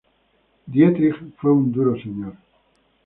Dietrich fue un duro señor.